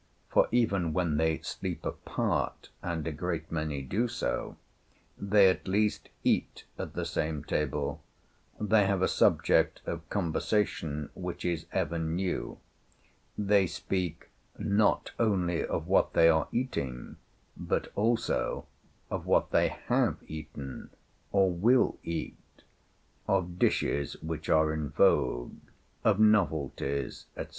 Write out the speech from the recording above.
For even when they sleep apart (and a great many do so), they at least eat at the same table, they have a subject of conversation which is ever new, they speak not only of what they are eating, but also of what they have eaten or will eat, of dishes which are in vogue, of novelties, etc.